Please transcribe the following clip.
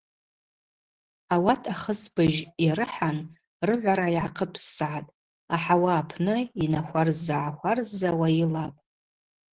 Ауат ахысбыжь йарыхӏан рыгӏвара йгӏахъыпссгӏатӏ, ахӏауа апны йнахварзза-гӏахварззауа йылапӏ.